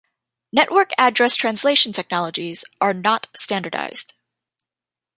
Network address translation technologies are not standardized.